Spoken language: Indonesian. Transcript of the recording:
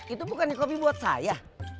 itu bukan kopi buat saya